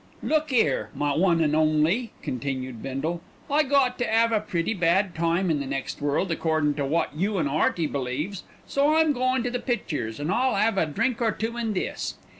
"Look 'ere, my one an' only," continued Bindle, "I got to 'ave a pretty bad time in the next world, accordin' to wot you an' 'Earty believes, so I'm goin' to the pictures an' I'll 'ave a drink or two in this.